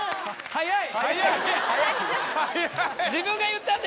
速い。